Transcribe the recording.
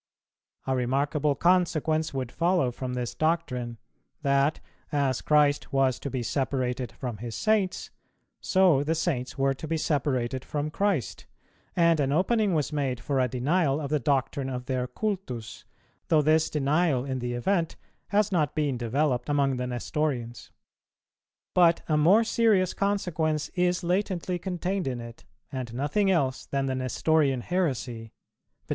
A remarkable consequence would follow from this doctrine, that as Christ was to be separated from His Saints, so the Saints were to be separated from Christ; and an opening was made for a denial of the doctrine of their cultus, though this denial in the event has not been developed among the Nestorians. But a more serious consequence is latently contained in it, and nothing else than the Nestorian heresy, viz.